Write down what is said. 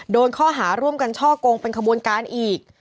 โดนข้อหาร่วมกันช่อกงเป็นขบวนการอีก